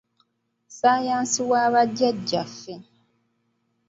Ssaayansi wa bajjaajjaffe !